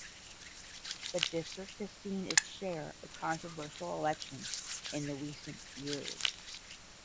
The district has seen its share of controversial elections in recent years.